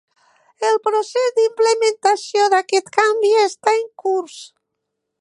El procés d'implementació d'aquest canvi està en curs.